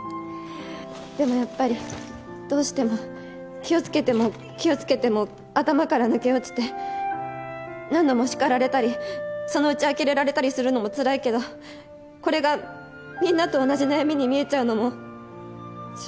でもやっぱりどうしても気をつけても気をつけても頭から抜け落ちて何度も叱られたりそのうちあきれられたりするのもつらいけどこれがみんなと同じ悩みに見えちゃうのもつらいです。